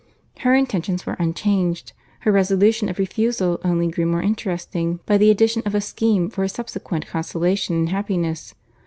Her intentions were unchanged. Her resolution of refusal only grew more interesting by the addition of a scheme for his subsequent consolation and happiness.